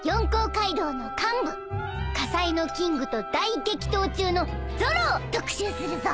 カイドウの幹部火災のキングと大激闘中のゾロを特集するぞ。